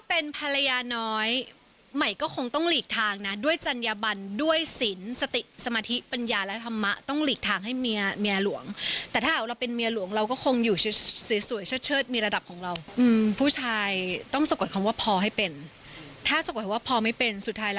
เป็นทีมภรรยาเนาะไม่มีคำสร้อยว่าหลวงหรือน้อย